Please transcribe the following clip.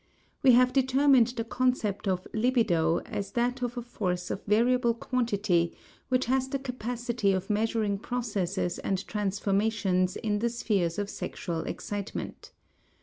We have determined the concept of libido as that of a force of variable quantity which has the capacity of measuring processes and transformations in the spheres of sexual excitement.